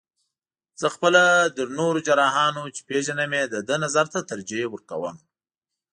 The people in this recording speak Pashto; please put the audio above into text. زه خپله تر نورو جراحانو، چې پېژنم یې د ده نظر ته ترجیح ورکوم.